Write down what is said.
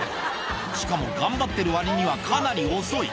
しかも、頑張ってるわりにはかなり遅い。